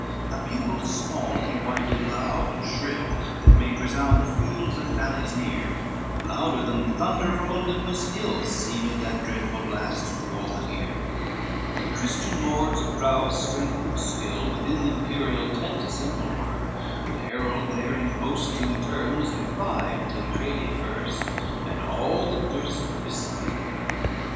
LVII A bugle small he winded loud and shrill, That made resound the fields and valleys near, Louder than thunder from Olympus hill Seemed that dreadful blast to all that hear; The Christian lords of prowess, strength and skill, Within the imperial tent assembled were, The herald there in boasting terms defied Tancredi first, and all that durst beside.